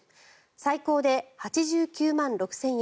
最高で８９万６０００円。